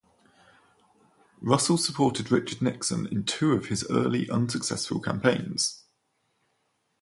Russell supported Richard Nixon in two of his early, unsuccessful campaigns.